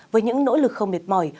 với những nỗ lực không biệt mỏi